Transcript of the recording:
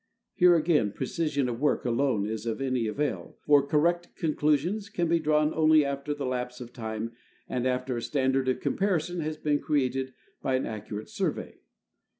Here, again, precision of work alone is of any avail, for correct conclusions can be drawn only after the lapse of time and after a standard of comparison has been created by an accurate survey.